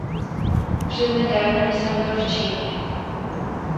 Před nedávnem jsem byl v Číně.